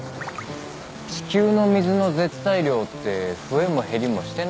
地球の水の絶対量って増えも減りもしてないのかなぁ。